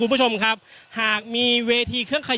อย่างที่บอกไปว่าเรายังยึดในเรื่องของข้อ